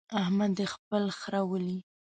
احمد دې خپل خره ولي.